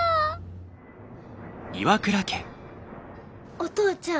お父ちゃん。